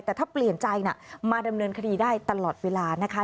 แต่ถ้าเปลี่ยนใจมาดำเนินคดีได้ตลอดเวลานะคะ